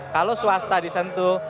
kalau swasta disentuh